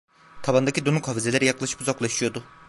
Tavandaki donuk avizeler yaklaşıp uzaklaşıyordu.